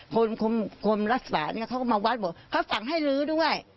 กรมรักษาเนี่ยเขาก็มาวัดบอกเขาสั่งให้ลื้อด้วย